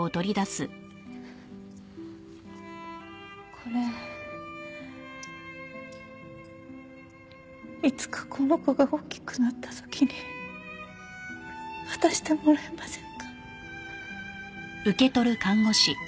これいつかこの子が大きくなった時に渡してもらえませんか？